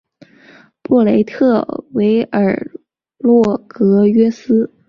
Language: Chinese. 布雷特维尔洛格约斯。